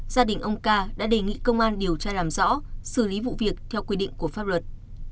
gia đình ông ca đã đề nghị công an điều tra làm rõ xử lý vụ việc theo quy định của pháp luật